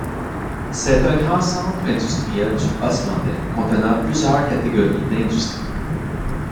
C'est un grand centre industriel du Østlandet, contenant plusieurs catégories d'industries.